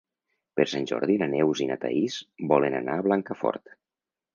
Per Sant Jordi na Neus i na Thaís volen anar a Blancafort.